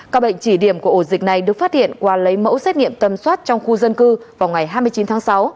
các bệnh chỉ điểm của ổ dịch này được phát hiện qua lấy mẫu xét nghiệm tầm soát trong khu dân cư vào ngày hai mươi chín tháng sáu